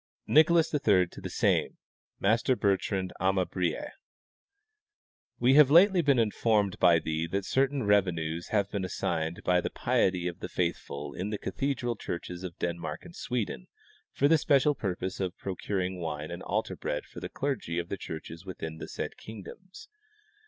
(Translation.) Nicholas III to the same (Master Bertrand Amabric) : We have lately been informed by thee that certain revenues have been assigned by the piety of the faithful in the cathedral churches of Denmark and Sweden for the special purpose of Ijrocuring wine and altar bread for the clergy of the churches within the said kingdoms.